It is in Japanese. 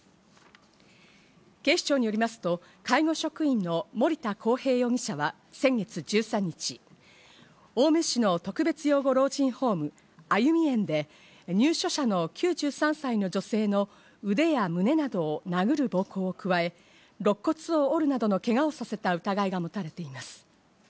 警視庁によりますと介護職員の森田航平容疑者は先月１３日、勤務する青梅市の特別養護老人ホーム、あゆみえんで入所者の９３歳の女性の腕や胸などを殴る暴行を加え、肋骨を折るなどのけがをさせた疑いが持たれています。